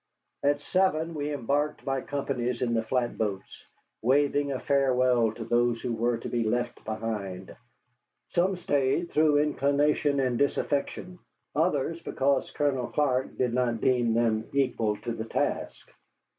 At seven we embarked by companies in the flatboats, waving a farewell to those who were to be left behind. Some stayed through inclination and disaffection: others because Colonel Clark did not deem them equal to the task.